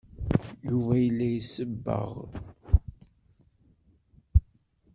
Yuba yella isebbeɣ.